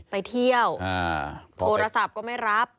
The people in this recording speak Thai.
ไปเที่ยวโทรศัพท์ก็ไม่รับ